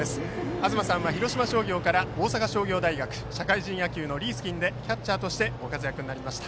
東さんは広島商業から大阪商業大学社会人野球のリースキンでキャッチャーとしてご活躍されました。